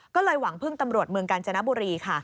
ก็เลยหวังพึ่งตำรวจเมืองกาญจนบุรีค่ะ